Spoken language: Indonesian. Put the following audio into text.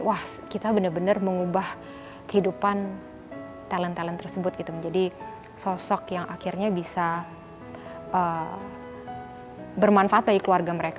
wah kita benar benar mengubah kehidupan talent talent tersebut gitu menjadi sosok yang akhirnya bisa bermanfaat bagi keluarga mereka